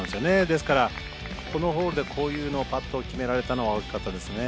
ですから、このホールでこういうパットを決められたのは大きかったですね。